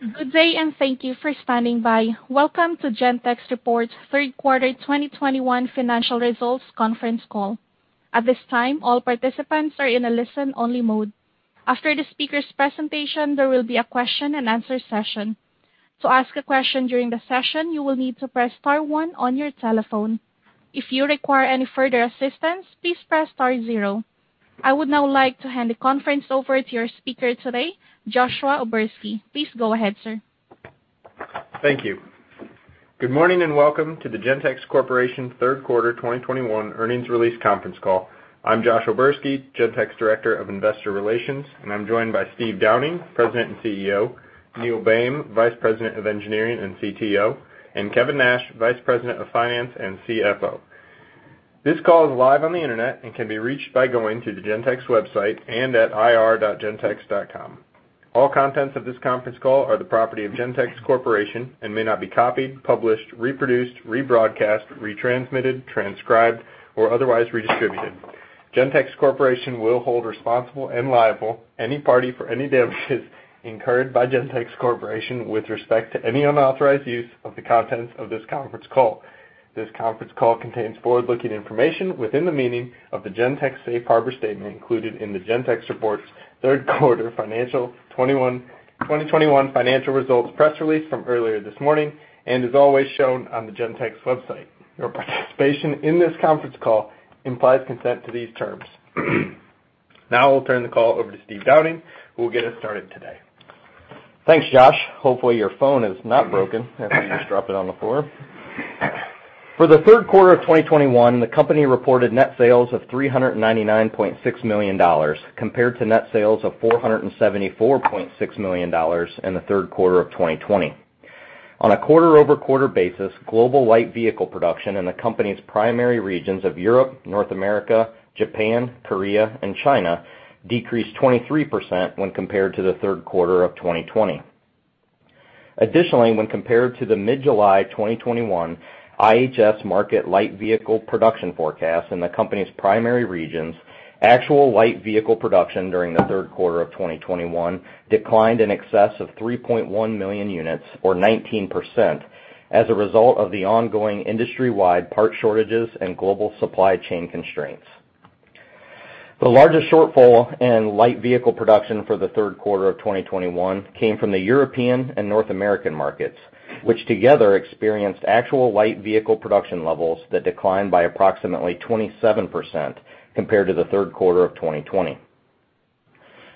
Good day, and thank you for standing by. Welcome to Gentex Report's third quarter 2021 financial results conference call. At this time, all participants are in a listen-only mode. After the speaker's presentation, there will be a question and answer session. To ask a question during the session, you will need to press star one on your telephone. If you require any further assistance, please press star zero. I would now like to hand the conference over to your speaker today, Josh O'Berski. Please go ahead, sir. Thank you. Good morning. Welcome to the Gentex Corporation third quarter 2021 earnings release conference call. I'm Josh O'Berski, Gentex Director of Investor Relations, and I'm joined by Steve Downing, President and CEO, Neil Boehm, Vice President of Engineering and CTO, and Kevin Nash, Vice President of Finance and CFO. This call is live on the Internet and can be reached by going to the Gentex website and at ir.gentex.com. All contents of this conference call are the property of Gentex Corporation and may not be copied, published, reproduced, rebroadcast, retransmitted, transcribed, or otherwise redistributed. Gentex Corporation will hold responsible and liable any party for any damages incurred by Gentex Corporation with respect to any unauthorized use of the contents of this conference call. This conference call contains forward-looking information within the meaning of the Gentex safe harbor statement included in the Gentex report's third quarter financial 2021 financial results press release from earlier this morning and is always shown on the Gentex website. Your participation in this conference call implies consent to these terms. Now I'll turn the call over to Steve Downing, who will get us started today. Thanks, Josh. Hopefully, your phone is not broken after you just dropped it on the floor. For the third quarter of 2021, the company reported net sales of $399.6 million compared to net sales of $474.6 million in the third quarter of 2020. On a quarter-over-quarter basis, global light vehicle production in the company's primary regions of Europe, North America, Japan, Korea, and China decreased 23% when compared to the third quarter of 2020. Additionally, when compared to the mid-July 2021 IHS Markit light vehicle production forecast in the company's primary regions, actual light vehicle production during the third quarter of 2021 declined in excess of 3.1 million units or 19% as a result of the ongoing industry-wide part shortages and global supply chain constraints. The largest shortfall in light vehicle production for the third quarter of 2021 came from the European and North American markets, which together experienced actual light vehicle production levels that declined by approximately 27% compared to the third quarter of 2020.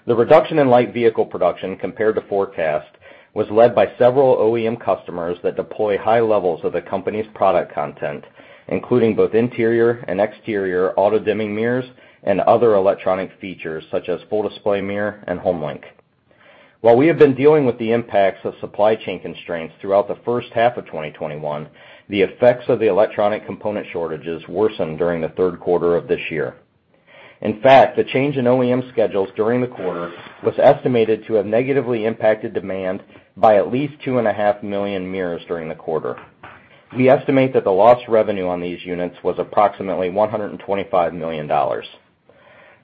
The reduction in light vehicle production compared to forecast was led by several OEM customers that deploy high levels of the company's product content, including both interior and exterior auto-dimming mirrors and other electronic features such as Full Display Mirror and HomeLink. While we have been dealing with the impacts of supply chain constraints throughout the first half of 2021, the effects of the electronic component shortages worsened during the third quarter of this year. In fact, the change in OEM schedules during the quarter was estimated to have negatively impacted demand by at least two and a half million mirrors during the quarter. We estimate that the lost revenue on these units was approximately $125 million.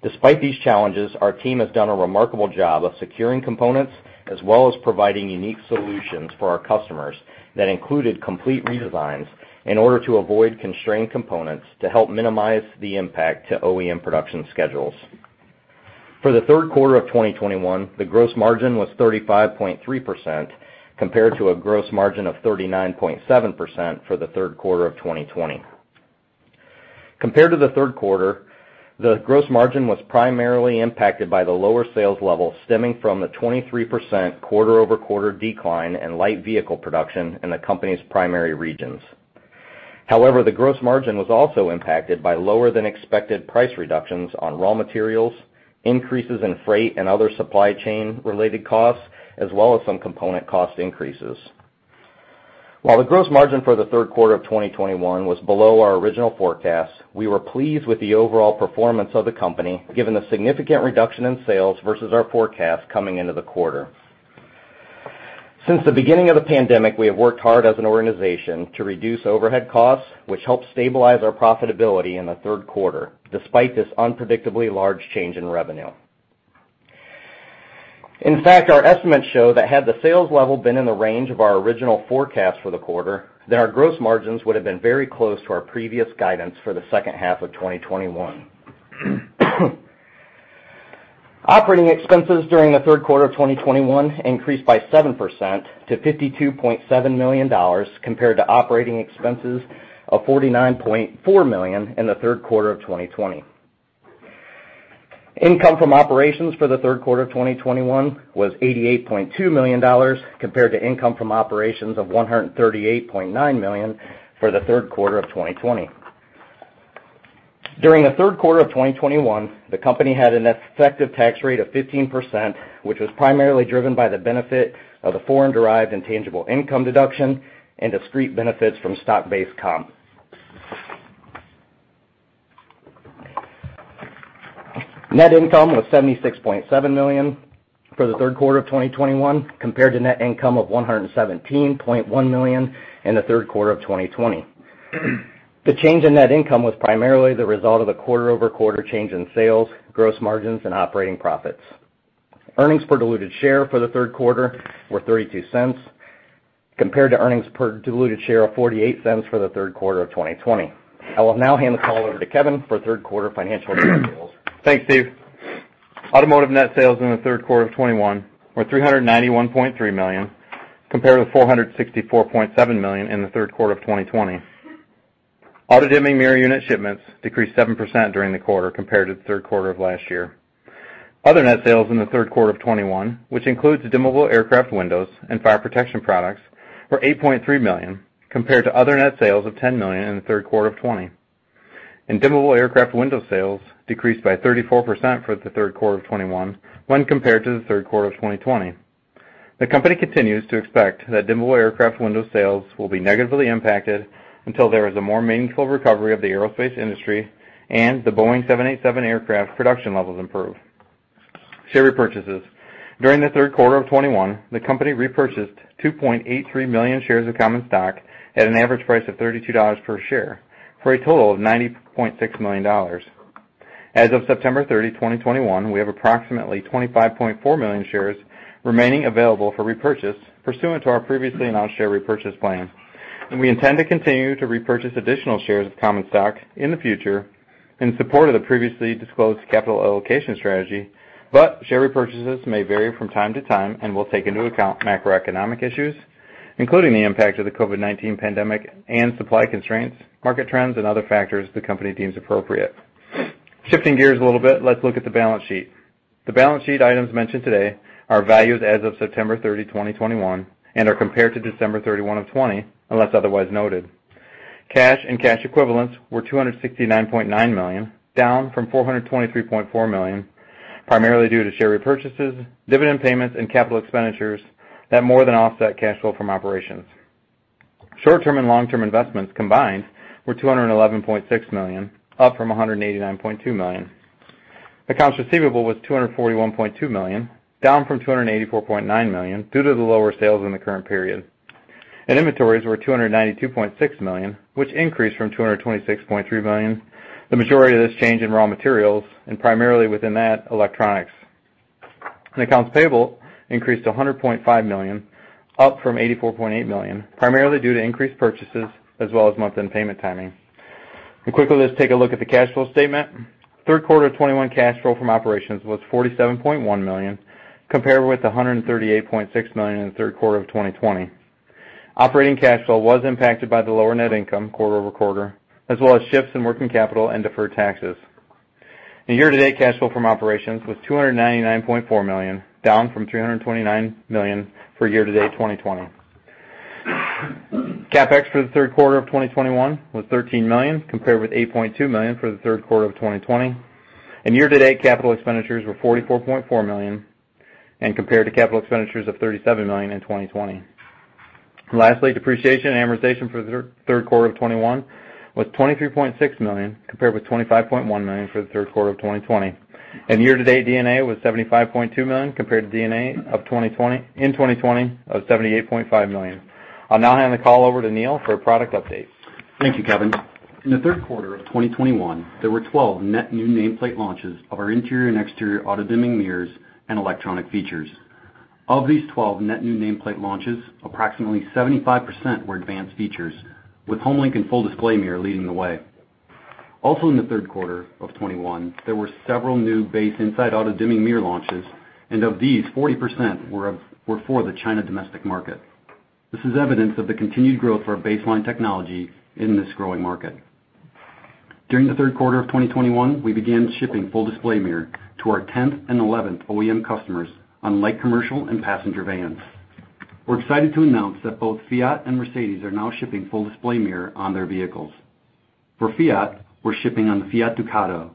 Despite these challenges, our team has done a remarkable job of securing components as well as providing unique solutions for our customers that included complete redesigns in order to avoid constrained components to help minimize the impact to OEM production schedules. For the third quarter of 2021, the gross margin was 35.3% compared to a gross margin of 39.7% for the third quarter of 2020. Compared to the third quarter, the gross margin was primarily impacted by the lower sales level stemming from the 23% quarter-over-quarter decline in light vehicle production in the company's primary regions. The gross margin was also impacted by lower than expected price reductions on raw materials, increases in freight and other supply chain related costs, as well as some component cost increases. While the gross margin for the third quarter of 2021 was below our original forecast, we were pleased with the overall performance of the company, given the significant reduction in sales versus our forecast coming into the quarter. Since the beginning of the pandemic, we have worked hard as an organization to reduce overhead costs, which helped stabilize our profitability in the third quarter despite this unpredictably large change in revenue. In fact, our estimates show that had the sales level been in the range of our original forecast for the quarter, then our gross margins would have been very close to our previous guidance for the second half of 2021. Operating expenses during the third quarter of 2021 increased by 7% to $52.7 million compared to operating expenses of $49.4 million in the third quarter of 2020. Income from operations for the third quarter of 2021 was $88.2 million compared to income from operations of $138.9 million for the third quarter of 2020. During the third quarter of 2021, the company had an effective tax rate of 15%, which was primarily driven by the benefit of the Foreign-Derived Intangible Income deduction and discrete benefits from stock-based comp. Net income was $76.7 million for the third quarter of 2021 compared to net income of $117.1 million in the third quarter of 2020. The change in net income was primarily the result of the quarter-over-quarter change in sales, gross margins, and operating profits. Earnings per diluted share for the third quarter were $0.32 compared to earnings per diluted share of $0.48 for the third quarter of 2020. I will now hand the call over to Kevin for third quarter financial details. Thanks, Steve. Automotive net sales in the third quarter of 2021 were $391.3 million, compared to $464.7 million in the third quarter of 2020. auto-dimming mirror unit shipments decreased 7% during the quarter compared to the third quarter of last year. Other net sales in the third quarter of 2021, which includes electronically dimmable windows and fire protection products, were $8.3 million, compared to other net sales of $10 million in the third quarter of 2020. Dimmable aircraft window sales decreased by 34% for the third quarter of 2021 when compared to the third quarter of 2020. The company continues to expect that dimmable aircraft window sales will be negatively impacted until there is a more meaningful recovery of the aerospace industry and the Boeing 787 aircraft production levels improve. Share repurchases. During the third quarter of 2021, the company repurchased 2.83 million shares of common stock at an average price of $32 per share for a total of $90.6 million. As of September 30, 2021, we have approximately 25.4 million shares remaining available for repurchase pursuant to our previously announced share repurchase plan. We intend to continue to repurchase additional shares of common stock in the future in support of the previously disclosed capital allocation strategy. Share repurchases may vary from time to time and will take into account macroeconomic issues, including the impact of the COVID-19 pandemic and supply constraints, market trends, and other factors the company deems appropriate. Shifting gears a little bit, let's look at the balance sheet. The balance sheet items mentioned today are values as of September 30, 2021, and are compared to December 31 of 2020, unless otherwise noted. Cash and cash equivalents were $269.9 million, down from $423.4 million, primarily due to share repurchases, dividend payments, and capital expenditures that more than offset cash flow from operations. Short-term and long-term investments combined were $211.6 million, up from $189.2 million. Accounts receivable was $241.2 million, down from $284.9 million due to the lower sales in the current period. Inventories were $292.6 million, which increased from $226.3 million, the majority of this change in raw materials and primarily within that, electronics. Accounts payable increased to $100.5 million, up from $84.8 million, primarily due to increased purchases as well as month-end payment timing. Quickly, let's take a look at the cash flow statement. Third quarter of 2021 cash flow from operations was $47.1 million, compared with $138.6 million in the third quarter of 2020. Operating cash flow was impacted by the lower net income quarter-over-quarter, as well as shifts in working capital and deferred taxes. The year-to-date cash flow from operations was $299.4 million, down from $329 million for year-to-date 2020. CapEx for the third quarter of 2021 was $13 million, compared with $8.2 million for the third quarter of 2020. Year-to-date capital expenditures were $44.4 million and compared to capital expenditures of $37 million in 2020. Lastly, depreciation and amortization for the third quarter of 2021 was $23.6 million, compared with $25.1 million for the third quarter of 2020. Year-to-date D&A was $75.2 million compared to D&A in 2020 of $78.5 million. I'll now hand the call over to Neil for product updates. Thank you, Kevin. In the third quarter of 2021, there were 12 net new nameplate launches of our interior and exterior auto-dimming mirrors and electronic features. Of these 12 net new nameplate launches, approximately 75% were advanced features, with HomeLink and Full Display Mirror leading the way. Also in the third quarter of 2021, there were several new base inside auto-dimming mirror launches, and of these, 40% were for the China domestic market. This is evidence of the continued growth for our baseline technology in this growing market. During the third quarter of 2021, we began shipping Full Display Mirror to our 10th and 11th OEM customers on light commercial and passenger vans. We're excited to announce that both Fiat and Mercedes are now shipping Full Display Mirror on their vehicles. For Fiat, we're shipping on the Fiat Ducato.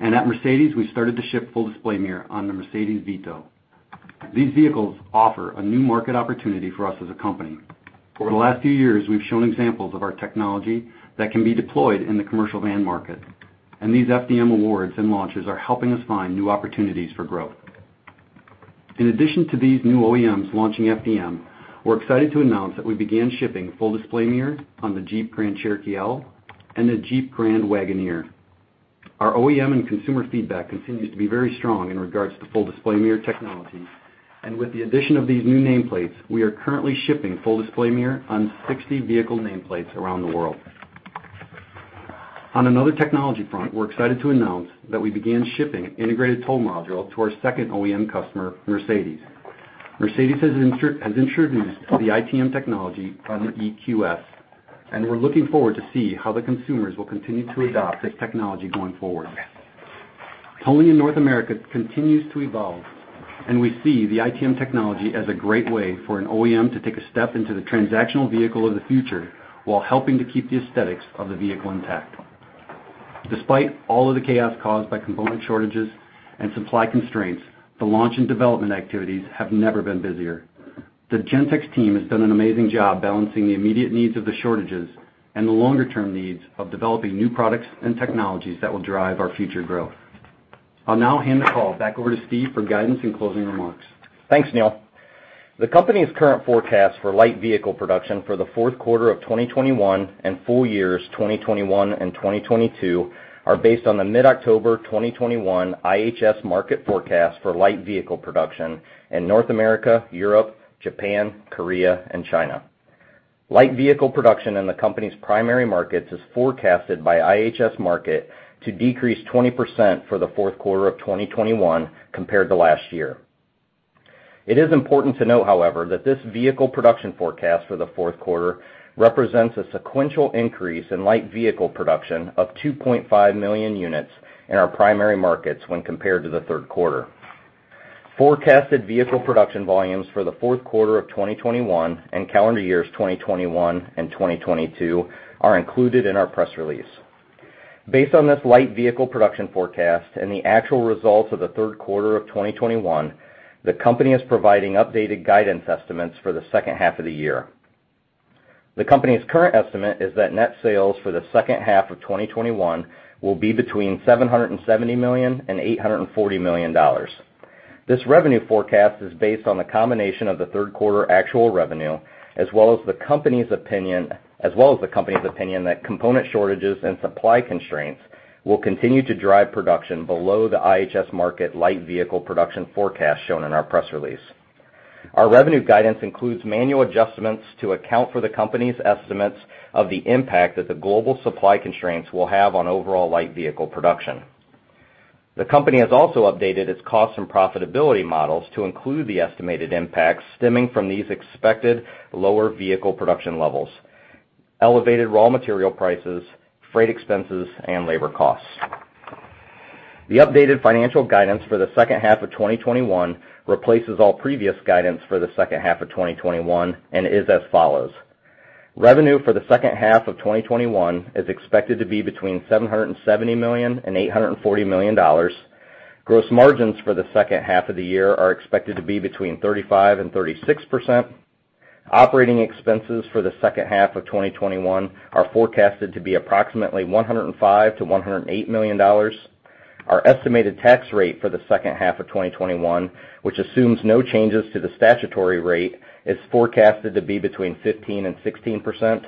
At Mercedes, we started to ship Full Display Mirror on the Mercedes-Benz Vito. These vehicles offer a new market opportunity for us as a company. For the last few years, we've shown examples of our technology that can be deployed in the commercial van market, and these FDM awards and launches are helping us find new opportunities for growth. In addition to these new OEMs launching FDM, we're excited to announce that we began shipping Full Display Mirror on the Jeep Grand Cherokee L and the Jeep Grand Wagoneer. Our OEM and consumer feedback continues to be very strong in regards to Full Display Mirror technology, and with the addition of these new nameplates, we are currently shipping Full Display Mirror on 60 vehicle nameplates around the world. On another technology front, we're excited to announce that we began shipping Integrated Toll Module to our second OEM customer, Mercedes. Mercedes has introduced the ITM technology on the EQS, and we're looking forward to see how the consumers will continue to adopt this technology going forward. Towing in North America continues to evolve, and we see the ITM technology as a great way for an OEM to take a step into the transactional vehicle of the future while helping to keep the aesthetics of the vehicle intact. Despite all of the chaos caused by component shortages and supply constraints, the launch and development activities have never been busier. The Gentex team has done an amazing job balancing the immediate needs of the shortages and the longer-term needs of developing new products and technologies that will drive our future growth. I'll now hand the call back over to Steve for guidance and closing remarks. Thanks, Neil. The company's current forecast for light vehicle production for the fourth quarter of 2021 and full years 2021 and 2022 are based on the mid-October 2021 IHS Markit forecast for light vehicle production in North America, Europe, Japan, Korea, and China. Light vehicle production in the company's primary markets is forecasted by IHS Markit to decrease 20% for the fourth quarter of 2021 compared to last year. It is important to note, however, that this vehicle production forecast for the fourth quarter represents a sequential increase in light vehicle production of 2.5 million units in our primary markets when compared to the third quarter. Forecasted vehicle production volumes for the fourth quarter of 2021 and calendar years 2021 and 2022 are included in our press release. Based on this light vehicle production forecast and the actual results of the third quarter of 2021, the company is providing updated guidance estimates for the second half of the year. The company's current estimate is that net sales for the second half of 2021 will be between $770 million and $840 million. This revenue forecast is based on the combination of the third quarter actual revenue, as well as the company's opinion that component shortages and supply constraints will continue to drive production below the IHS Markit light vehicle production forecast shown in our press release. Our revenue guidance includes manual adjustments to account for the company's estimates of the impact that the global supply constraints will have on overall light vehicle production. The company has also updated its cost and profitability models to include the estimated impacts stemming from these expected lower vehicle production levels, elevated raw material prices, freight expenses, and labor costs. The updated financial guidance for the second half of 2021 replaces all previous guidance for the second half of 2021 and is as follows. Revenue for the second half of 2021 is expected to be between $770 million and $840 million. Gross margins for the second half of the year are expected to be between 35% and 36%. Operating expenses for the second half of 2021 are forecasted to be approximately $105-$108 million. Our estimated tax rate for the second half of 2021, which assumes no changes to the statutory rate, is forecasted to be between 15% and 16%.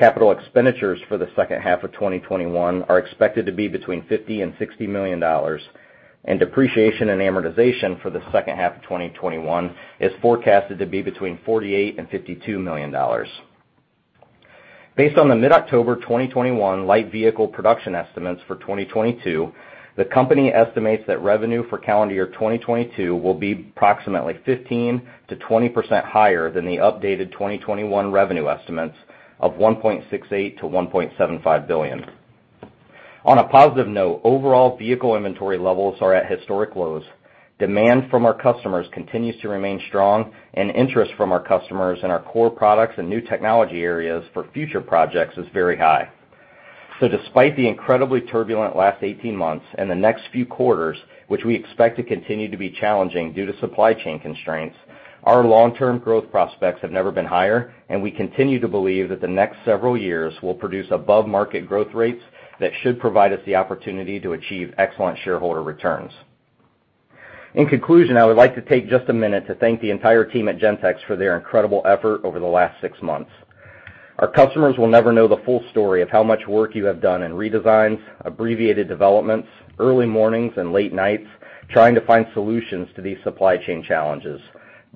CapEx for the second half of 2021 are expected to be between $50 and $60 million. Depreciation and amortization for the second half of 2021 is forecasted to be between $48 million and $52 million. Based on the mid-October 2021 light vehicle production estimates for 2022, the company estimates that revenue for calendar year 2022 will be approximately 15%-20% higher than the updated 2021 revenue estimates of $1.68 billion-$1.75 billion. On a positive note, overall vehicle inventory levels are at historic lows. Demand from our customers continues to remain strong, and interest from our customers in our core products and new technology areas for future projects is very high. Despite the incredibly turbulent last 18 months and the next few quarters, which we expect to continue to be challenging due to supply chain constraints, our long-term growth prospects have never been higher, and we continue to believe that the next several years will produce above-market growth rates that should provide us the opportunity to achieve excellent shareholder returns. In conclusion, I would like to take just a minute to thank the entire team at Gentex for their incredible effort over the last 6 months. Our customers will never know the full story of how much work you have done in redesigns, abbreviated developments, early mornings, and late nights trying to find solutions to these supply chain challenges.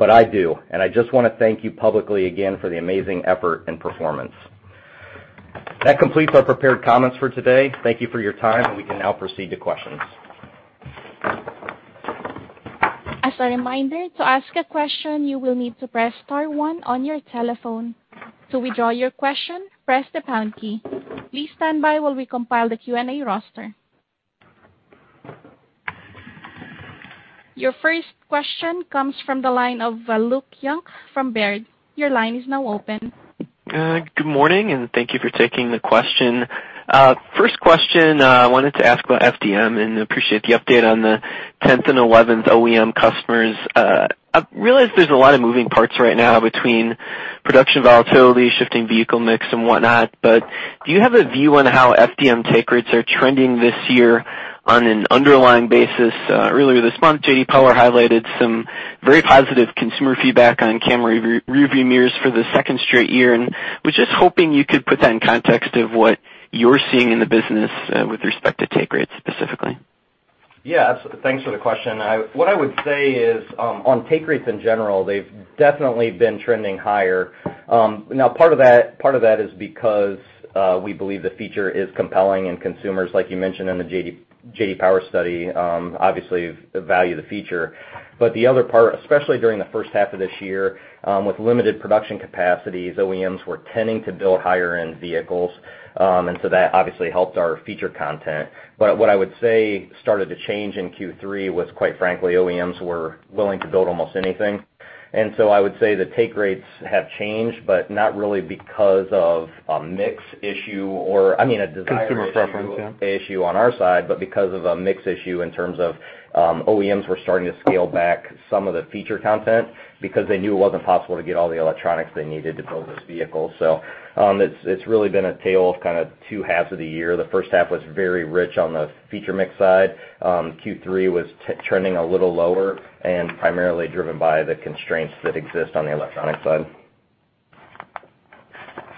I do, and I just want to thank you publicly again for the amazing effort and performance. That completes our prepared comments for today. Thank you for your time, and we can now proceed to questions. Your first question comes from the line of Luke Junk from Baird. Good morning, and thank you for taking the question. First question I wanted to ask about FDM. Appreciate the update on the 10th and 11th OEM customers. I realize there's a lot of moving parts right now between production volatility, shifting vehicle mix, and whatnot, but do you have a view on how FDM take rates are trending this year on an underlying basis? Earlier this month, J.D. Power highlighted some very positive consumer feedback on camera rear view mirrors for the second straight year. Was just hoping you could put that in context of what you're seeing in the business with respect to take rates specifically. Yeah. Thanks for the question. What I would say is, on take rates in general, they've definitely been trending higher. Part of that is because we believe the feature is compelling and consumers, like you mentioned in the J.D. Power study, obviously value the feature. The other part, especially during the first half of this year, with limited production capacities, OEMs were tending to build higher-end vehicles. That obviously helped our feature content. What I would say started to change in Q3 was, quite frankly, OEMs were willing to build almost anything. I would say the take rates have changed, but not really because of a mix issue or. Consumer preference. Yeah. Issue on our side, but because of a mix issue in terms of OEMs were starting to scale back some of the feature content because they knew it wasn't possible to get all the electronics they needed to build this vehicle. It's really been a tale of kind of two halves of the year. The first half was very rich on the feature mix side. Q3 was trending a little lower and primarily driven by the constraints that exist on the electronic side.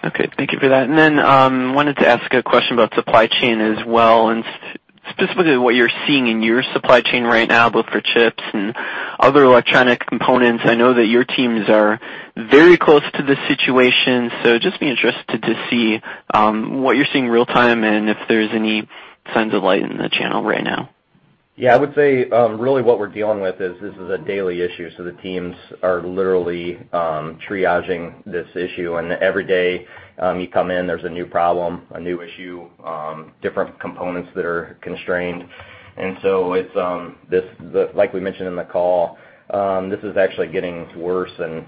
Okay. Thank you for that. Wanted to ask a question about supply chain as well, and specifically what you're seeing in your supply chain right now, both for chips and other electronic components. I know that your teams are very close to the situation, just be interested to see what you're seeing real-time and if there's any signs of light in the channel right now. Yeah. I would say, really what we're dealing with is this is a daily issue, the teams are literally triaging this issue, every day you come in, there's a new problem, a new issue, different components that are constrained. Like we mentioned in the call, this is actually getting worse and,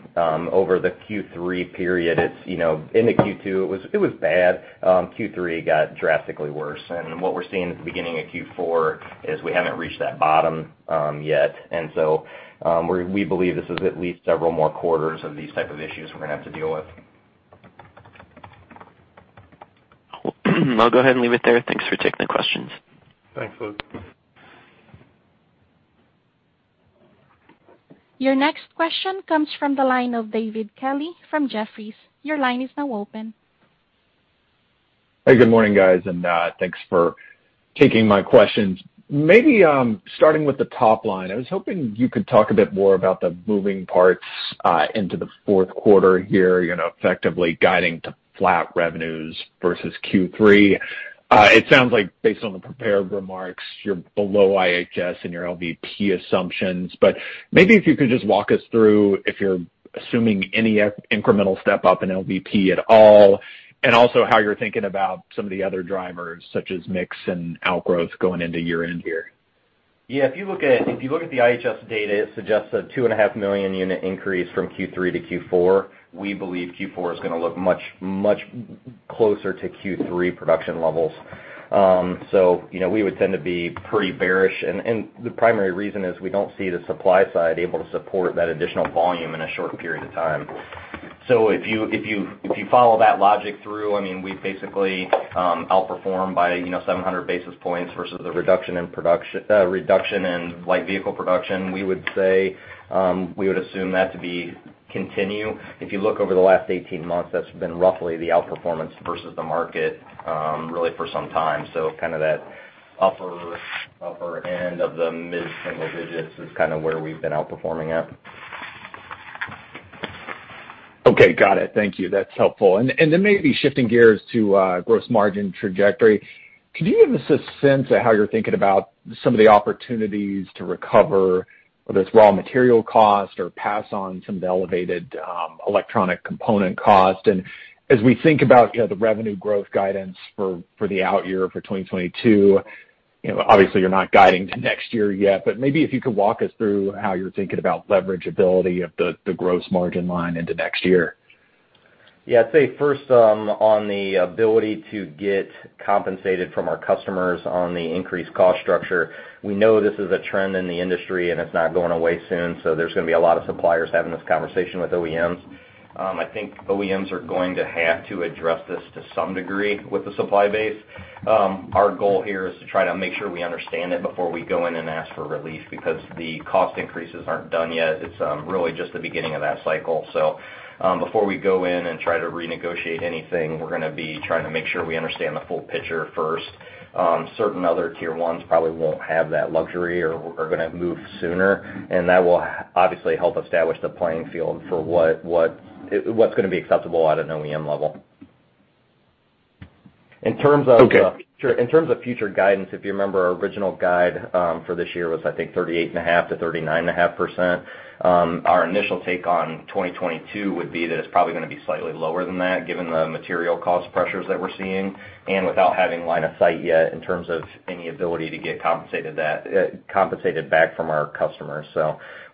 over the Q3 period, in the Q2, it was bad. Q3 got drastically worse. What we're seeing at the beginning of Q4 is we haven't reached that bottom yet. We believe this is at least several more quarters of these type of issues we're going to have to deal with. I'll go ahead and leave it there. Thanks for taking the questions. Thanks, Luke. Your next question comes from the line of David Kelley from Jefferies. Your line is now open. Good morning, guys, thanks for taking my questions. Maybe starting with the top line, I was hoping you could talk a bit more about the moving parts into the fourth quarter here, effectively guiding to flat revenues versus Q3. It sounds like based on the prepared remarks, you're below IHS in your LVP assumptions. Maybe if you could just walk us through if you're assuming any incremental step-up in LVP at all, also how you're thinking about some of the other drivers, such as mix and outgrowth going into year-end here. Yeah. If you look at the IHS data, it suggests a 2.5 million unit increase from Q3 to Q4. We believe Q4 is going to look much closer to Q3 production levels. We would tend to be pretty bearish, and the primary reason is we don't see the supply side able to support that additional volume in a short period of time. If you follow that logic through, we basically outperform by 700 basis points versus the reduction in light vehicle production. We would assume that to continue. If you look over the last 18 months, that's been roughly the outperformance versus the market, really for some time. Kind of that upper end of the mid-single digits is kind of where we've been outperforming at. Okay. Got it. Thank you. That's helpful. Then maybe shifting gears to gross margin trajectory, could you give us a sense of how you're thinking about some of the opportunities to recover, whether it's raw material cost or pass on some of the elevated electronic component cost? As we think about the revenue growth guidance for the out year for 2022, obviously you're not guiding to next year yet, but maybe if you could walk us through how you're thinking about leverage ability of the gross margin line into next year. Yeah. I'd say first, on the ability to get compensated from our customers on the increased cost structure. We know this is a trend in the industry, and it's not going away soon, so there's going to be a lot of suppliers having this conversation with OEMs. I think OEMs are going to have to address this to some degree with the supply base. Our goal here is to try to make sure we understand it before we go in and ask for relief, because the cost increases aren't done yet. It's really just the beginning of that cycle. Before we go in and try to renegotiate anything, we're going to be trying to make sure we understand the full picture first. Certain other tier 1s probably won't have that luxury or are going to move sooner, that will obviously help establish the playing field for what's going to be acceptable at an OEM level. Okay. In terms of future guidance, if you remember our original guide, for this year was, I think 38.5%-39.5%. Our initial take on 2022 would be that it's probably going to be slightly lower than that, given the material cost pressures that we're seeing and without having line of sight yet in terms of any ability to get compensated back from our customers.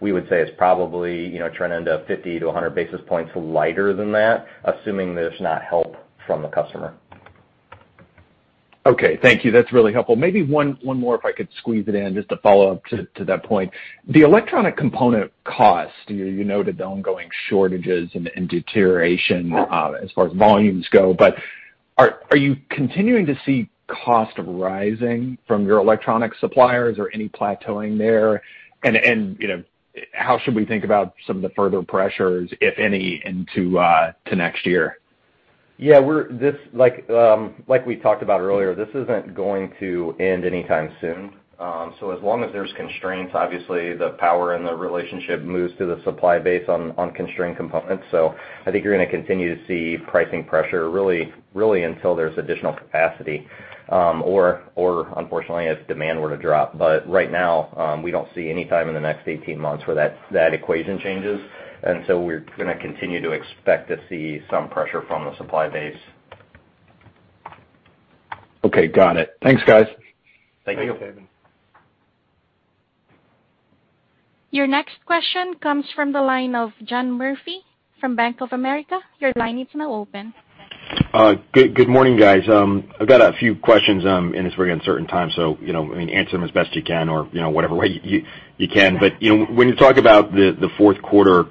We would say it's probably trending to 50 to 100 basis points lighter than that, assuming there's not help from the customer. Okay. Thank you. That's really helpful. Maybe one more, if I could squeeze it in, just to follow up to that point. The electronic component cost, you noted the ongoing shortages and deterioration as far as volumes go, but are you continuing to see cost rising from your electronic suppliers? Or any plateauing there? How should we think about some of the further pressures, if any, into next year? Yeah. Like we talked about earlier, this isn't going to end anytime soon. As long as there's constraints, obviously the power in the relationship moves to the supply base on constrained components. I think you're going to continue to see pricing pressure really until there's additional capacity, or unfortunately, if demand were to drop. Right now, we don't see any time in the next 18 months where that equation changes, and so we're going to continue to expect to see some pressure from the supply base. Okay, got it. Thanks, guys. Thank you. Thank you, David Your next question comes from the line of John Murphy from Bank of America. Your line is now open. Good morning, guys. I've got a few questions in this very uncertain time. Answer them as best you can or whatever way you can. When you talk about the fourth quarter,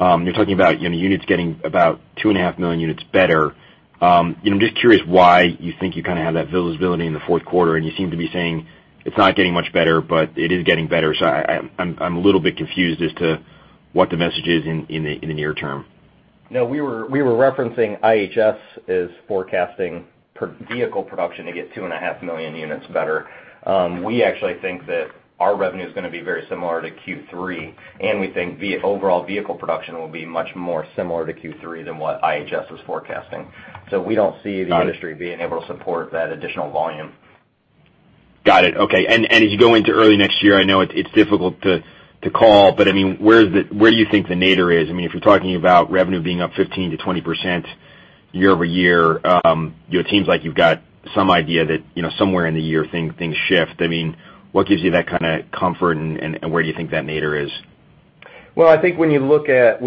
you're talking about units getting about 2.5 million units better. I'm just curious why you think you kind of have that visibility in the fourth quarter, and you seem to be saying it's not getting much better, but it is getting better. I'm a little bit confused as to what the message is in the near term. No, we were referencing IHS is forecasting vehicle production to get two and a half million units better. We actually think that our revenue is going to be very similar to Q3. We think the overall vehicle production will be much more similar to Q3 than what IHS is forecasting. We don't see the industry being able to support that additional volume. Got it. Okay. As you go into early next year, I know it's difficult to call, but where do you think the nadir is? If you're talking about revenue being up 15%-20% year-over-year, it seems like you've got some idea that somewhere in the year, things shift. What gives you that kind of comfort, and where do you think that nadir is? Well, I think when you look at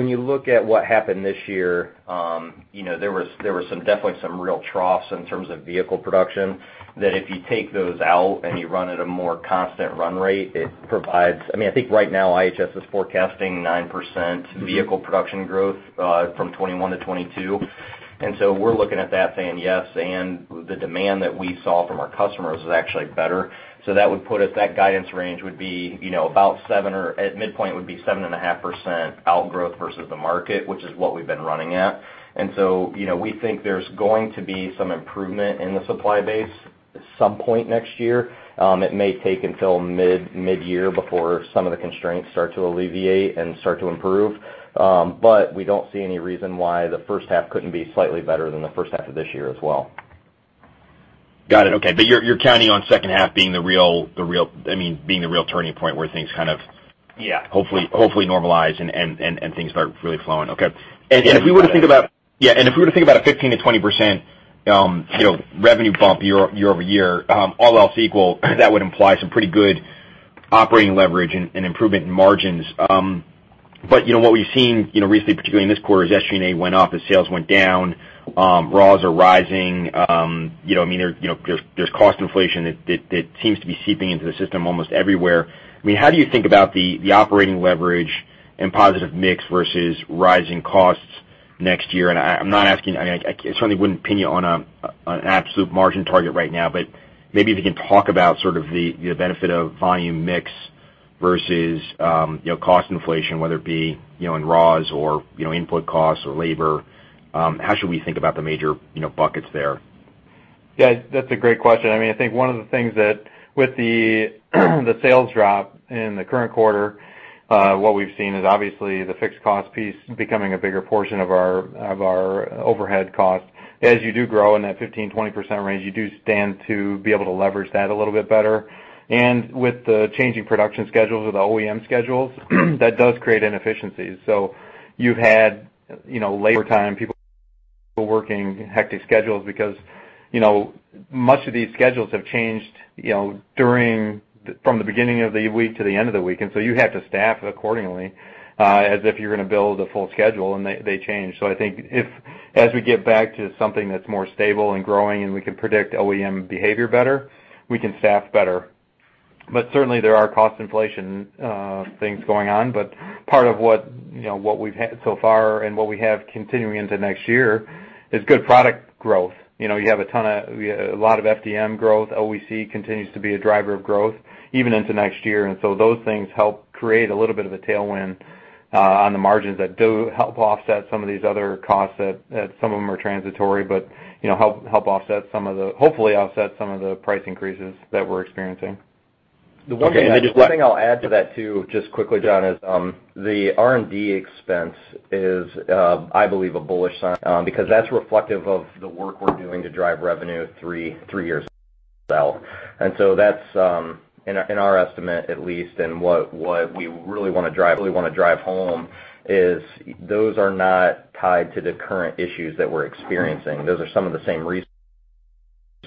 what happened this year, there was definitely some real troughs in terms of vehicle production, that if you take those out and you run at a more constant run rate, it provides; I think right now IHS is forecasting 9% vehicle production growth from 2021 to 2022. We're looking at that saying, yes, and the demand that we saw from our customers was actually better. That would put us, that guidance range would be about 7, or at midpoint would be 7.5% outgrowth versus the market, which is what we've been running at. We think there's going to be some improvement in the supply base at some point next year. It may take until mid-year before some of the constraints start to alleviate and start to improve. We don't see any reason why the first half couldn't be slightly better than the first half of this year as well. Got it. Okay. You're counting on the second half being the real turning point where things kind of? Yeah hopefully normalize and things start really flowing. Okay. Yeah. If we were to think about a 15%-20% revenue bump year-over-year, all else equal, that would imply some pretty good operating leverage and improvement in margins. What we've seen recently, particularly in this quarter, is SG&A went up as sales went down. Raws are rising. There's cost inflation that seems to be seeping into the system almost everywhere. How do you think about the operating leverage and positive mix versus rising costs next year? I'm not asking, I certainly wouldn't pin you on an absolute margin target right now, but maybe if you can talk about sort of the benefit of volume mix versus cost inflation, whether it be in raws or input costs or labor, how should we think about the major buckets there? Yeah, that's a great question. I think one of the things that with the sales drop in the current quarter, what we've seen is obviously the fixed cost piece becoming a bigger portion of our overhead cost. As you do grow in that 15%-20% range, you do stand to be able to leverage that a little bit better. With the changing production schedules or the OEM schedules, that does create inefficiencies. You've had labor time, people working hectic schedules because much of these schedules have changed from the beginning of the week to the end of the week. You have to staff accordingly, as if you're going to build a full schedule and they change. I think as we get back to something that's more stable and growing and we can predict OEM behavior better, we can staff better. Certainly, there are cost inflation things going on. Part of what we've had so far and what we have continuing into next year is good product growth. You have a lot of FDM growth. OEC continues to be a driver of growth even into next year. Those things help create a little bit of a tailwind on the margins that do help offset some of these other costs that some of them are transitory, but help hopefully offset some of the price increases that we're experiencing. Okay. One thing I'll add to that too, just quickly, John, is the R&D expense is, I believe, a bullish sign because that's reflective of the work we're doing to drive revenue three years out. That's, in our estimate at least, and what we really want to drive home is those are not tied to the current issues that we're experiencing. Those are some of the same resources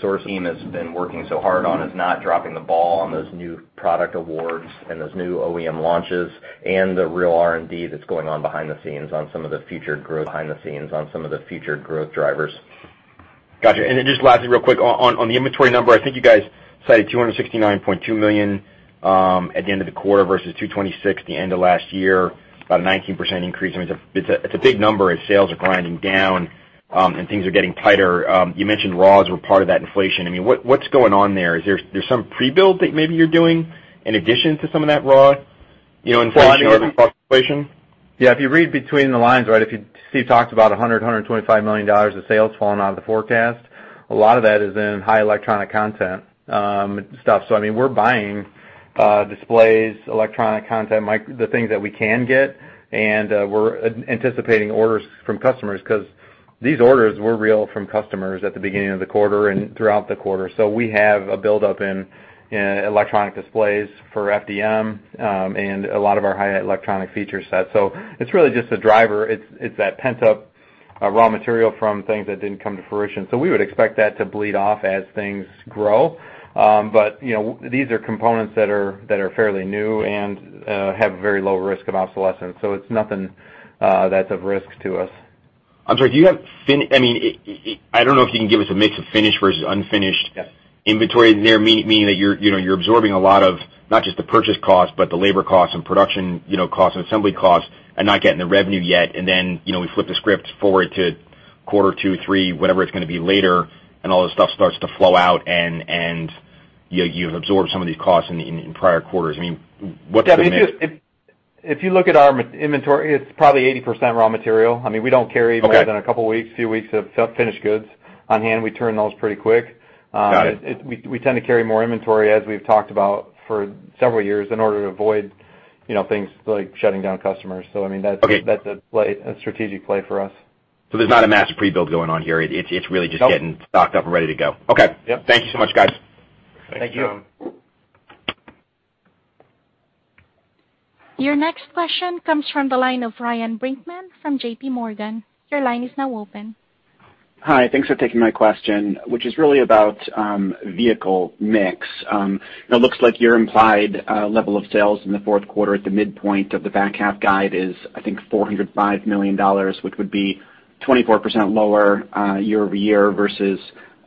the team has been working so hard on, is not dropping the ball on those new product awards and those new OEM launches and the real R&D that's going on behind the scenes on some of the future growth drivers. Got you. Just lastly, real quick, on the inventory number, I think you guys cited $269.2 million at the end of the quarter versus $226 million the end of last year, about a 19% increase. It's a big number as sales are grinding down and things are getting tighter. You mentioned raws were part of that inflation. What's going on there? Is there some pre-build that maybe you're doing in addition to some of that raw inflation or cost inflation? Yeah. If you read between the lines, if you see talks about $100 million, $125 million of sales falling out of the forecast, a lot of that is in high electronic content stuff. We're buying displays, electronic content, the things that we can get, and we're anticipating orders from customers because these orders were real from customers at the beginning of the quarter and throughout the quarter. We have a buildup in electronic displays for FDM and a lot of our high electronic feature sets. It's really just a driver. It's that pent-up raw material from things that didn't come to fruition. We would expect that to bleed off as things grow. These are components that are fairly new and have very low risk of obsolescence, so it's nothing that's of risk to us. I'm sorry, I don't know if you can give us a mix of finished versus unfinished. Yes inventory there, meaning that you're absorbing a lot of not just the purchase cost, but the labor cost and production cost and assembly cost and not getting the revenue yet. We flip the script forward to quarter 2, 3, whenever it's going to be later, and all this stuff starts to flow out and you've absorbed some of these costs in prior quarters. What's the mix? If you look at our inventory, it's probably 80% raw material. Okay More than 2 weeks, few weeks of finished goods on hand. We turn those pretty quick. Got it. We tend to carry more inventory, as we've talked about for several years, in order to avoid things like shutting down customers. Okay A strategic play for us. There's not a mass pre-built going on here. It's just getting... Nope Stocked up and ready to go. Okay. Yep. Thank you so much, guys. Thank you. Thanks John. Your next question comes from the line of Ryan Brinkman from JPMorgan. Your line is now open. Hi, thanks for taking my question, which is really about vehicle mix. It looks like your implied level of sales in the fourth quarter at the midpoint of the back half guide is, I think, $405 million, which would be 24% lower year-over-year versus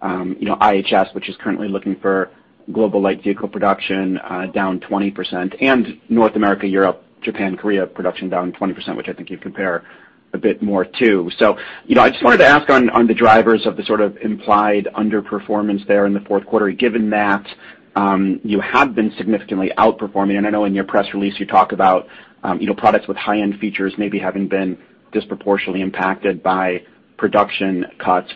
IHS, which is currently looking for global light vehicle production down 20%, and North America, Europe, Japan, Korea, production down 20%, which I think you'd compare a bit more to. I just wanted to ask on the drivers of the sort of implied underperformance there in the fourth quarter, given that you have been significantly outperforming, and I know in your press release you talk about products with high-end features maybe having been disproportionately impacted by production cuts.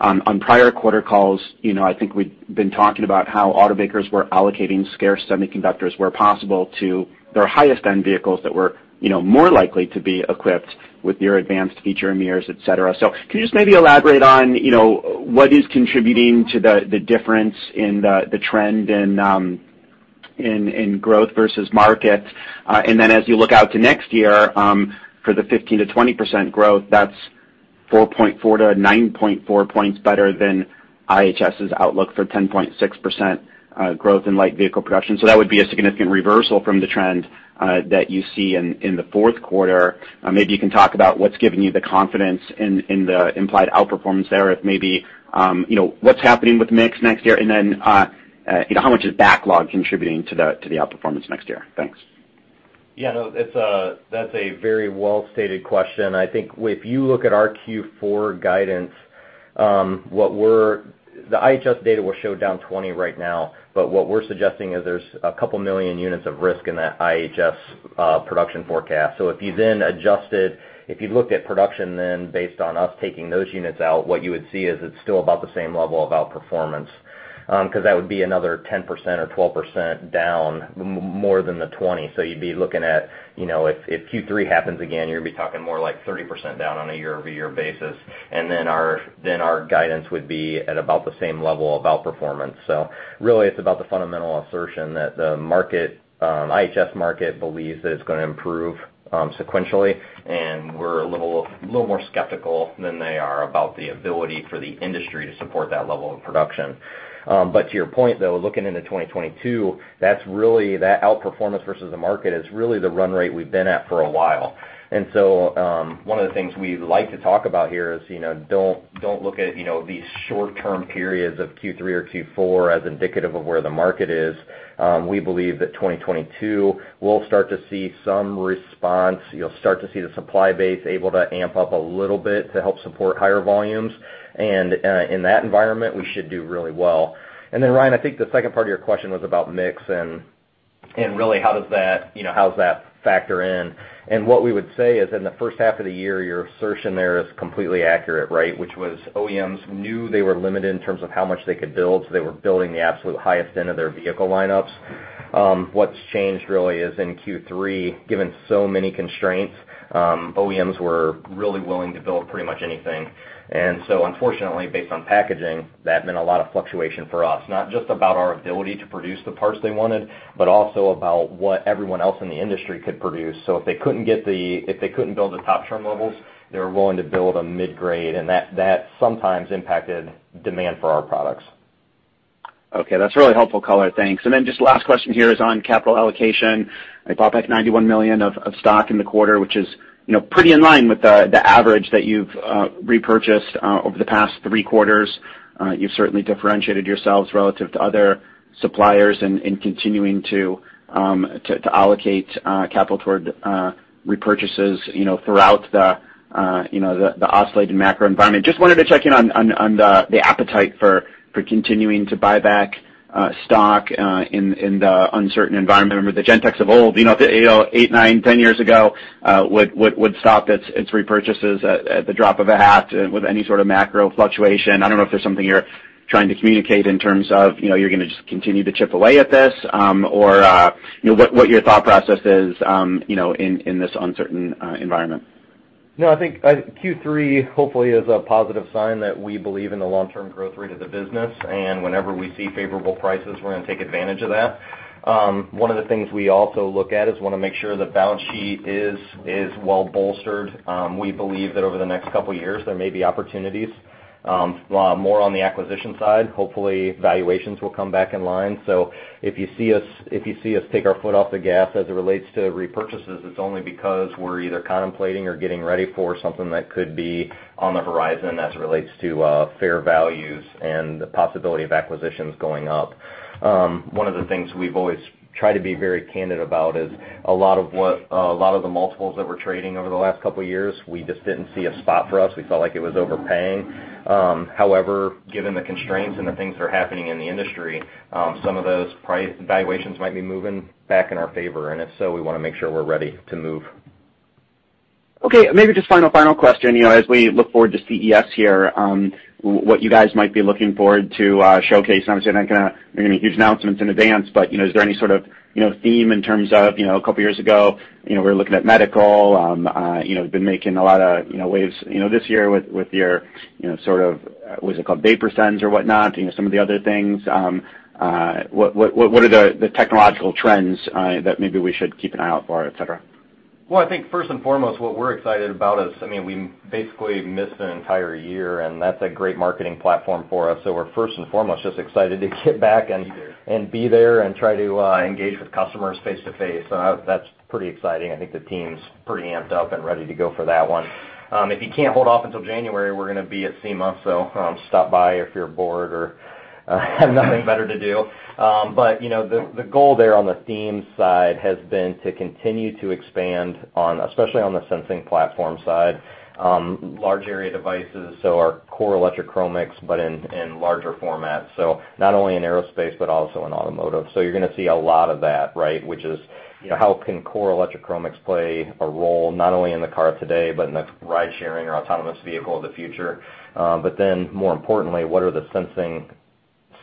On prior quarter calls, I think we've been talking about how automakers were allocating scarce semiconductors where possible to their highest end vehicles that were more likely to be equipped with your advanced feature mirrors, et cetera. Can you just maybe elaborate on what is contributing to the difference in the trend in growth versus market? As you look out to next year, for the 15%-20% growth, that's 4.4-9.4 points better than IHS's outlook for 10.6% growth in light vehicle production. That would be a significant reversal from the trend that you see in the fourth quarter. Maybe you can talk about what's giving you the confidence in the implied outperformance there, if maybe what's happening with mix next year, and then how much is backlog contributing to the outperformance next year? Thanks. Yeah, that's a very well-stated question. I think if you look at our Q4 guidance, the IHS data will show down 20% right now, what we're suggesting is there's 2 million units of risk in that IHS production forecast. If you then adjusted, if you looked at production then based on us taking those units out, what you would see is it's still about the same level of outperformance, because that would be another 10% or 12% down, more than the 20%. You'd be looking at, if Q3 happens again, you're going to be talking more like 30% down on a year-over-year basis. Our guidance would be at about the same level of outperformance. Really, it's about the fundamental assertion that the IHS Markit believes that it's going to improve sequentially, and we're a little more skeptical than they are about the ability for the industry to support that level of production. To your point, though, looking into 2022, that outperformance versus the market is really the run rate we've been at for a while. One of the things we like to talk about here is, don't look at these short-term periods of Q3 or Q4 as indicative of where the market is. We believe that 2022 will start to see some response. You'll start to see the supply base able to amp up a little bit to help support higher volumes. In that environment, we should do really well. Ryan, I think the second part of your question was about mix and really how does that factor in. What we would say is in the first half of the year, your assertion there is completely accurate, right. Which was OEMs knew they were limited in terms of how much they could build, so they were building the absolute highest end of their vehicle lineups. What's changed really is in Q3, given so many constraints, OEMs were really willing to build pretty much anything. Unfortunately, based on packaging, that meant a lot of fluctuation for us, not just about our ability to produce the parts they wanted, but also about what everyone else in the industry could produce. If they couldn't build the top trim levels, they were willing to build a mid-grade, and that sometimes impacted demand for our products. Okay. That's a really helpful color, thanks. Just last question here is on capital allocation. You bought back $91 million of stock in the quarter, which is pretty in line with the average that you've repurchased over the past 3 quarters. You've certainly differentiated yourselves relative to other suppliers in continuing to allocate capital toward repurchases throughout the oscillating macro environment. Just wanted to check in on the appetite for continuing to buy back stock in the uncertain environment. Remember, the Gentex of old, 8, 9, 10 years ago, would stop its repurchases at the drop of a hat with any sort of macro fluctuation. I don't know if there's something you're trying to communicate in terms of you're going to just continue to chip away at this, or what your thought process is in this uncertain environment. No, I think Q3 hopefully is a positive sign that we believe in the long-term growth rate of the business, and whenever we see favorable prices, we're going to take advantage of that. One of the things we also look at is we want to make sure the balance sheet is well bolstered. We believe that over the next couple of years, there may be opportunities more on the acquisition side. Hopefully, valuations will come back in line. If you see us take our foot off the gas as it relates to repurchases, it's only because we're either contemplating or getting ready for something that could be on the horizon as it relates to fair values and the possibility of acquisitions going up. One of the things we've always tried to be very candid about is a lot of the multiples that we're trading over the last couple of years, we just didn't see a spot for us. We felt like it was overpaying. However, given the constraints and the things that are happening in the industry, some of those valuations might be moving back in our favor, and if so, we want to make sure we're ready to move. Okay, maybe just final question. As we look forward to CES here, what you guys might be looking forward to showcasing? Obviously, I'm not going to make any huge announcements in advance. Is there any sort of theme in terms of a couple of years ago, we were looking at medical, been making a lot of waves this year with your sort of, what's it called? Vaporsens or whatnot, some of the other things. What are the technological trends that maybe we should keep an eye out for, et cetera? I think first and foremost, what we're excited about is, we basically missed an entire year, and that's a great marketing platform for us. We're first and foremost just excited to get back. Be there and try to engage with customers face to face. That's pretty exciting. I think the team's pretty amped up and ready to go for that one. If you can't hold off until January, we're going to be at SEMA. Stop by if you're bored or have nothing better to do. The goal there on the themes side has been to continue to expand on, especially on the sensing platform side large-area dimmable devices, our core electrochromics, but in larger formats. Not only in aerospace but also in automotive. You're going to see a lot of that, which is how can core electrochromics play a role not only in the car today but in the ride sharing or autonomous vehicle of the future. More importantly, what are the sensing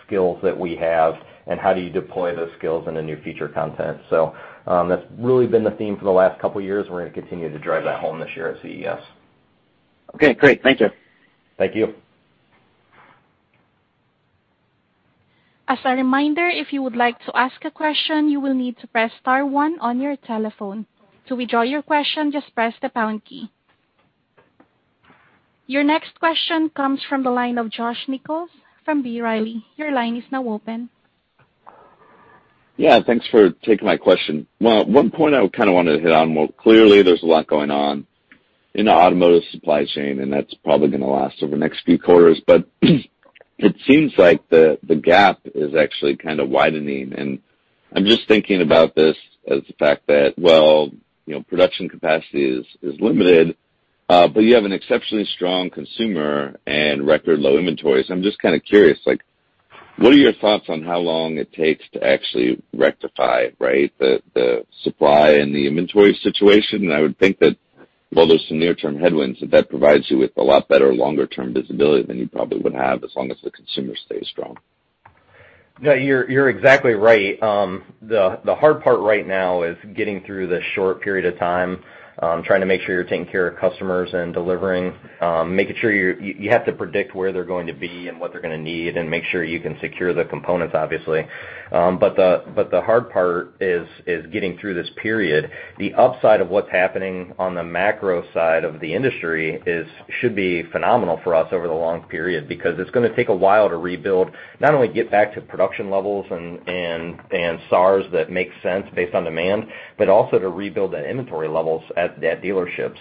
skills that we have, and how do you deploy those skills in the new feature content? That's really been the theme for the last couple of years. We're going to continue to drive that home this year at CES. Okay, great. Thank you. Thank you. Your next question comes from the line of Josh Nichols from B. Riley. Your line is now open. Yeah, thanks for taking my question. Well, one point I kind of wanted to hit on, well, clearly, there's a lot going on in the automotive supply chain, and that's probably going to last over the next few quarters. It seems like the gap is actually kind of widening. I'm just thinking about this as the fact that, well, production capacity is limited, but you have an exceptionally strong consumer and record low inventories. I'm just kind of curious, what are your thoughts on how long it takes to actually rectify the supply and the inventory situation? I would think that while there's some near-term headwinds, that that provides you with a lot better longer-term visibility than you probably would have as long as the consumer stays strong. No, you're exactly right. The hard part right now is getting through the short period of time, trying to make sure you're taking care of customers and delivering, making sure you have to predict where they're going to be and what they're going to need and make sure you can secure the components, obviously. The hard part is getting through this period. The upside of what's happening on the macro side of the industry should be phenomenal for us over the long period because it's going to take a while to rebuild, not only get back to production levels and SAARs that make sense based on demand, but also to rebuild the inventory levels at dealerships.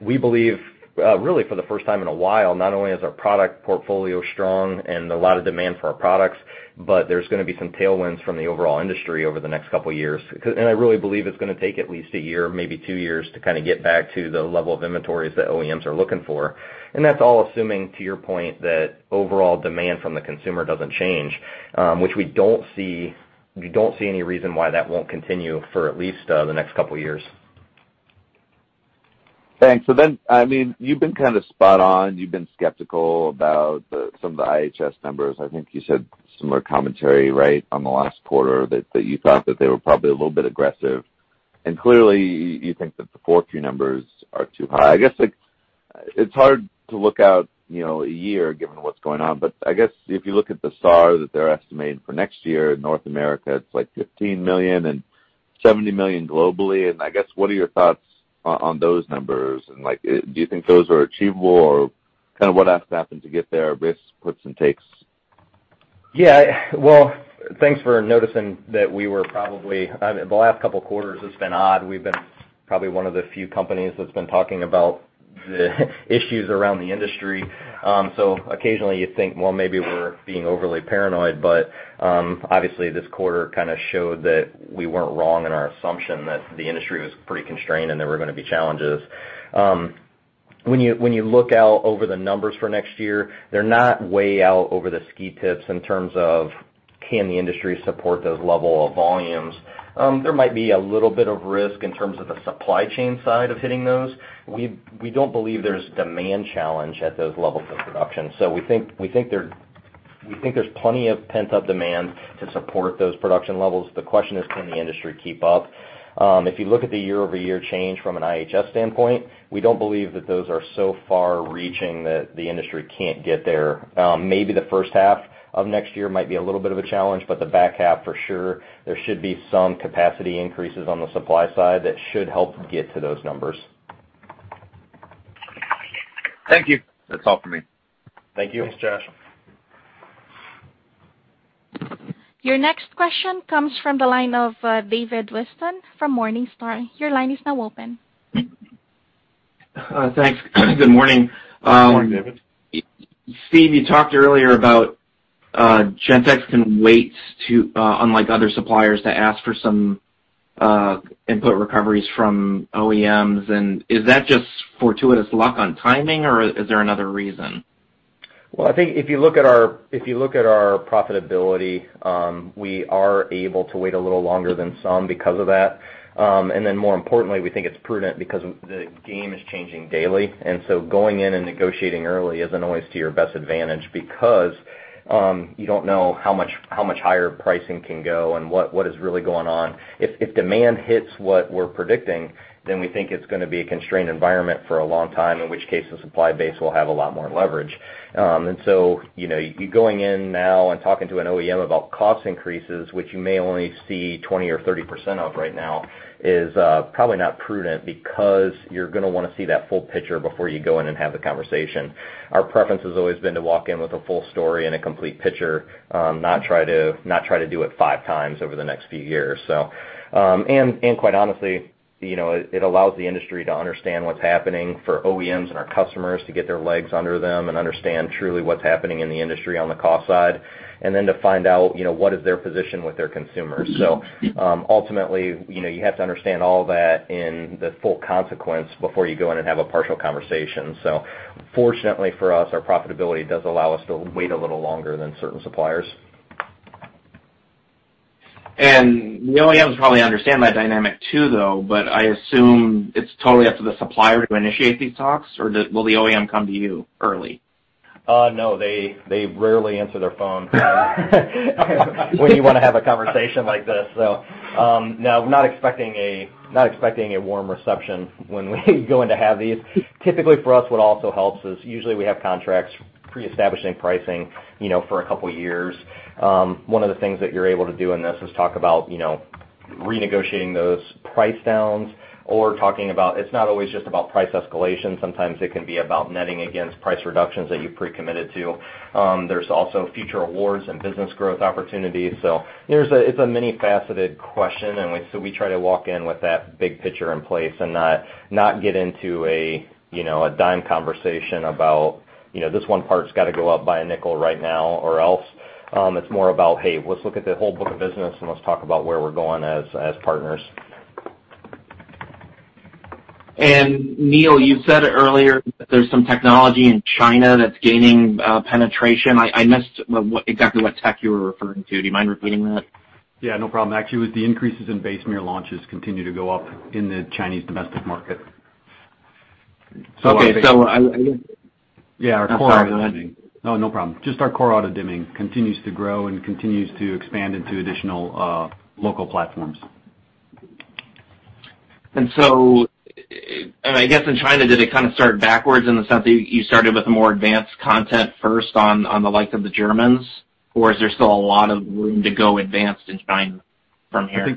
We believe, really for the first time in a while, not only is our product portfolio strong and a lot of demand for our products, but there's going to be some tailwinds from the overall industry over the next 2 years. I really believe it's going to take at least 1 year, maybe 2 years, to kind of get back to the level of inventories that OEMs are looking for. That's all assuming, to your point, that overall demand from the consumer doesn't change, which we don't see any reason why that won't continue for at least the next 2 years. Thanks. You've been kind of spot on. You've been skeptical about some of the IHS numbers. I think you said similar commentary on the last quarter that you thought that they were probably a little bit aggressive. Clearly, you think that the fourth-year numbers are too high. I guess it's hard to look out a year given what's going on. I guess if you look at the SAAR that they're estimating for next year in North America, it's like 15 million and 70 million globally. I guess, what are your thoughts on those numbers? Do you think those are achievable or kind of what has to happen to get there? Risks, puts, and takes. Yeah. Well, thanks for noticing that we were. The last couple of quarters has been odd. We've been probably one of the few companies that's been talking about the issues around the industry. Occasionally you think, well, maybe we're being overly paranoid, but obviously this quarter kind of showed that we weren't wrong in our assumption that the industry was pretty constrained and there were going to be challenges. When you look out over the numbers for next year, they're not way out over the ski tips in terms of can the industry support those level of volumes. There might be a little bit of risk in terms of the supply chain side of hitting those. We don't believe there's demand challenge at those levels of production. We think there's plenty of pent-up demand to support those production levels. The question is, can the industry keep up? If you look at the year-over-year change from an IHS standpoint, we don't believe that those are so far reaching that the industry can't get there. Maybe the first half of next year might be a little bit of a challenge, but the back half for sure, there should be some capacity increases on the supply side that should help get to those numbers. Thank you. That's all for me. Thank you. Thanks, Josh. Your next question comes from the line of David Whiston from Morningstar. Your line is now open. Thanks. Good morning. Good morning, David. Steve, you talked earlier about Gentex can wait, unlike other suppliers, to ask for some input recoveries from OEMs. Is that just fortuitous luck on timing, or is there another reason? I think if you look at our profitability, we are able to wait a little longer than some because of that. More importantly, we think it's prudent because the game is changing daily, so going in and negotiating early isn't always to your best advantage because you don't know how much higher pricing can go and what is really going on. If demand hits what we're predicting, then we think it's going to be a constrained environment for a long time, in which case, the supply base will have a lot more leverage. You going in now and talking to an OEM about cost increases, which you may only see 20% or 30% of right now, is probably not prudent because you're going to want to see that full picture before you go in and have the conversation. Our preference has always been to walk in with a full story and a complete picture, not try to do it five times over the next few years. Quite honestly, it allows the industry to understand what's happening for OEMs and our customers to get their legs under them and understand truly what's happening in the industry on the cost side, then to find out what is their position with their consumers. Ultimately, you have to understand all that in the full consequence before you go in and have a partial conversation. Fortunately for us, our profitability does allow us to wait a little longer than certain suppliers. The OEMs probably understand that dynamic too, though. I assume it's totally up to the supplier to initiate these talks? Will the OEM come to you early? No, they rarely answer their phone when you want to have a conversation like this. No, not expecting a warm reception when we go in to have these. Typically, for us, what also helps is usually we have contracts pre-establishing pricing for a couple of years. One of the things that you're able to do in this is talk about renegotiating those price downs or talking about it's not always just about price escalation. Sometimes it can be about netting against price reductions that you've pre-committed to. There's also future awards and business growth opportunities. It's a many-faceted question, we try to walk in with that big picture in place and not get into a dime conversation about this one part's got to go up by a nickel right now or else. It's more about, hey, let's look at the whole book of business, and let's talk about where we're going as partners. Neil, you said earlier that there's some technology in China that's gaining penetration. I missed exactly what tech you were referring to. Do you mind repeating that? Yeah, no problem. Actually, it was the increases in base mirror launches continue to go up in the Chinese domestic market. Okay. Yeah, our core auto dimming. I'm sorry. Go ahead. No, no problem. Our core auto-dimming continues to grow and continues to expand into additional local platforms. I guess in China, did it kind of start backwards in the sense that you started with more advanced content first on the likes of the Germans, or is there still a lot of room to go advanced in China from here?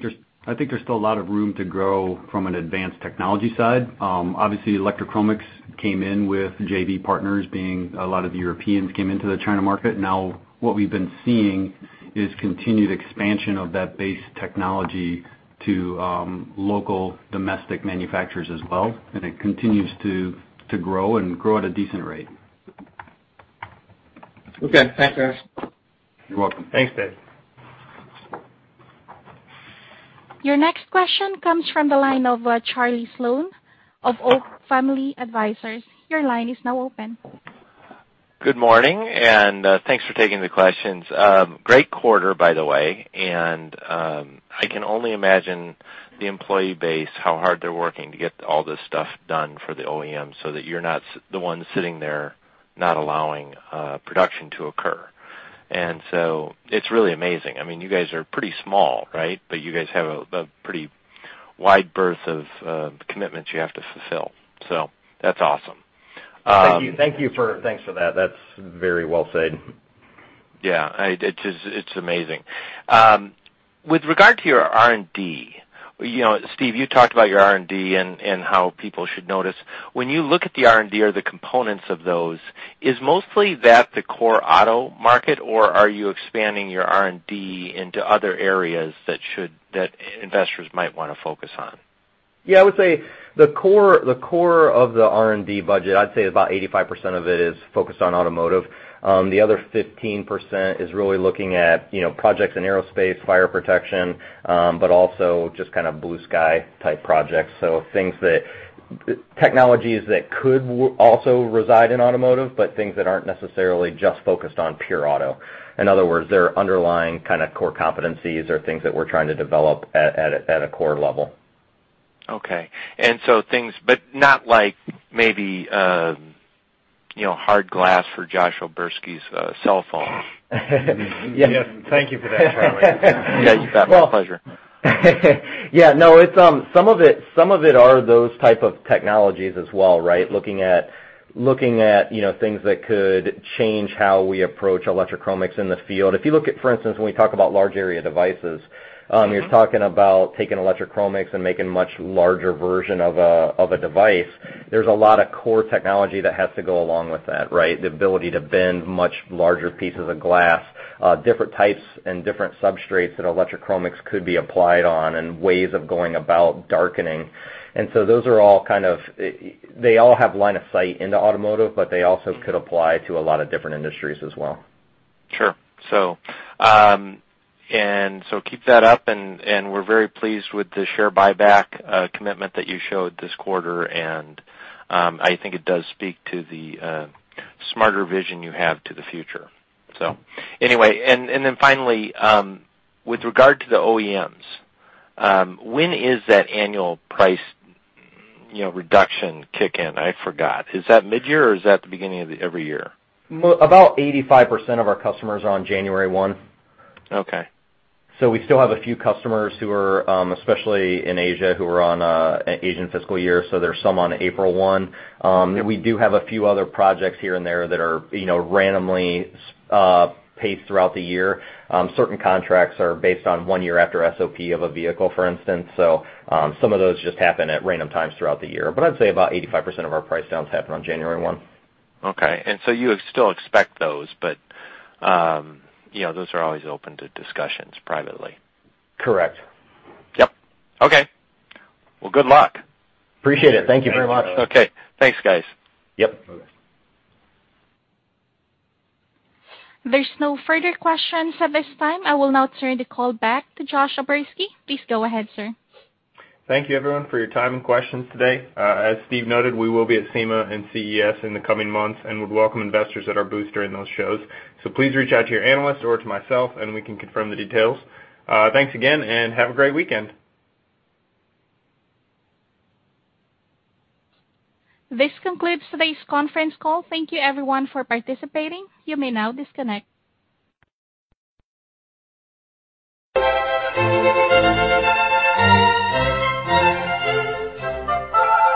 I think there's still a lot of room to grow from an advanced technology side. Obviously, electrochromics came in with JV partners being a lot of the Europeans came into the China market. Now, what we've been seeing is continued expansion of that base technology to local domestic manufacturers as well, and it continues to grow and grow at a decent rate. Okay. Thanks, guys. You're welcome. Thanks, David. Your next question comes from the line of Charlie Sloan of Oak Family Advisors. Your line is now open. Good morning. Thanks for taking the questions. Great quarter, by the way. I can only imagine the employee base, how hard they're working to get all this stuff done for the OEM so that you're not the one sitting there not allowing production to occur. It's really amazing. You guys are pretty small, right? You guys have a pretty wide berth of commitments you have to fulfill, so that's awesome. Thank you. Thanks for that. That's very well said. It's amazing. With regard to your R&D, Steve, you talked about your R&D and how people should notice. When you look at the R&D or the components of those, is mostly that the core auto market, or are you expanding your R&D into other areas that investors might want to focus on? Yeah, I would say the core of the R&D budget, I'd say about 85% of it is focused on automotive. The other 15% is really looking at projects in aerospace, fire protection, but also just kind of blue sky type projects. Technologies that could also reside in automotive, but things that aren't necessarily just focused on pure auto. In other words, they're underlying kind of core competencies or things that we're trying to develop at a core level. Okay. Not like maybe hard glass for Josh O'Berski's cellphone. Yes. Thank you for that, Charlie. Yeah, you bet. My pleasure. Yeah, no. Some of it are those type of technologies as well, right? Looking at things that could change how we approach electrochromics in the field. If you look at, for instance, when we talk about large-area dimmable devices, you're talking about taking electrochromics and making much larger version of a device. There's a lot of core technology that has to go along with that, right? The ability to bend much larger pieces of glass, different types and different substrates that electrochromics could be applied on, and ways of going about darkening. They all have line of sight into automotive, but they also could apply to a lot of different industries as well. Sure. Keep that up, and we're very pleased with the share buyback commitment that you showed this quarter, and I think it does speak to the smarter vision you have to the future. Anyway. Finally, with regard to the OEMs, when is that annual price reduction kick in? I forgot. Is that midyear or is that at the beginning of every year? About 85% of our customers are on January 1. Okay. We still have a few customers who are, especially in Asia, who are on Asian fiscal year, there's some on April 1. We do have a few other projects here and there that are randomly paced throughout the year. Certain contracts are based on 1 year after SOP of a vehicle, for instance. Some of those just happen at random times throughout the year. I'd say about 85% of our price downs happen on January 1. Okay. You still expect those. Those are always open to discussions privately. Correct. Yep. Okay. Well, good luck. Appreciate it. Thank you very much. Okay. Thanks, guys. Yep. There's no further questions at this time. I will now turn the call back to Josh O'Berski. Please go ahead, sir. Thank you, everyone, for your time and questions today. As Steve noted, we will be at SEMA and CES in the coming months and would welcome investors at our booth during those shows. Please reach out to your analyst or to myself and we can confirm the details. Thanks again, and have a great weekend. This concludes today's conference call. Thank you everyone for participating. You may now disconnect.